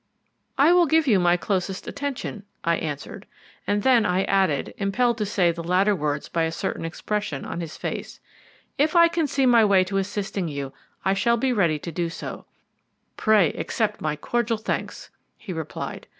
"I will give you my closest attention," I answered; and then I added, impelled to say the latter words by a certain expression on his face, "if I can see my way to assisting you I shall be ready to do so." "Pray accept my cordial thanks," he replied.